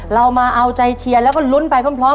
เรามาเอาใจเชียร์แล้วก็ลุ้นไปพร้อม